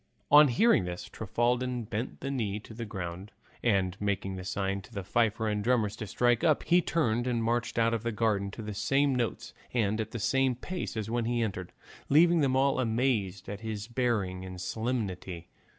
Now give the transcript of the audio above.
On hearing this Trifaldin bent the knee to the ground, and making a sign to the fifer and drummers to strike up, he turned and marched out of the garden to the same notes and at the same pace as when he entered, leaving them all amazed at his bearing and solemnity.